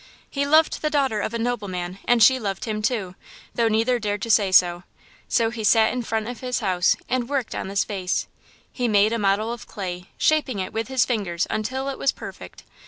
He loved the daughter of a nobleman and she loved him, too, though neither dared to say so. So he sat in front of his house and worked on this vase. He made a model of clay, shaping it with his fingers until it was perfect.